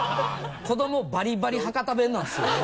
子どもバリバリ博多弁なんですよ。